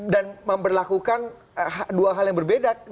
memperlakukan dua hal yang berbeda